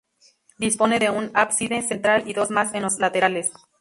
Dispone de un ábside central y dos más en los laterales.